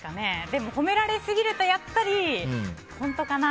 でも、褒められすぎるとやっぱり本当かな？